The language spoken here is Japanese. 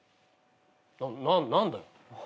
な何だよ。